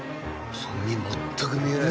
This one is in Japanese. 目全く見えない。